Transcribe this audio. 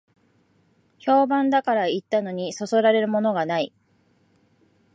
評判だから行ったのに、そそられるものがない